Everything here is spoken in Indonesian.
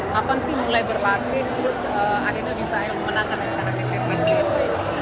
kapan sih mulai berlatih terus akhirnya bisa menangkan sirnas b